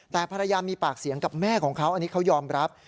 แต่ภรรยามีปากเสียงกับแม่ของเขาอันนี้เขายอมรับ